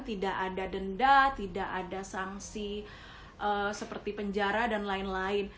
tidak ada denda tidak ada sanksi seperti penjara dan lain lain